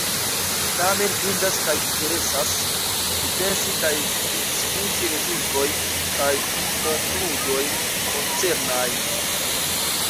Tamen indas kaj interesas pripensi kaj pridiskuti rezultojn kaj konkludojn koncernajn.